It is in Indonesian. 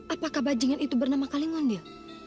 apakah bajingan itu bernama kalingan dia